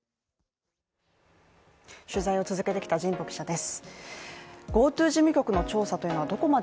取材を続けてきた神保記者です。